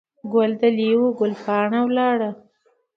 ګل دلې وو، ګل پاڼه ولاړه.